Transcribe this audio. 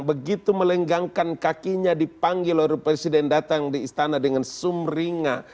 begitu melenggangkan kakinya dipanggil oleh presiden datang di istana dengan sumringa